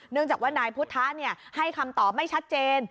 จากว่านายพุทธะให้คำตอบไม่ชัดเจน